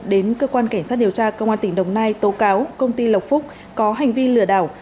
đến cơ quan cảnh sát điều tra công an tỉnh đồng nai tố cáo công ty lộc phúc có hành vi lừa đảo